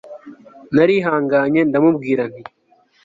narihanganye ndamubwira nti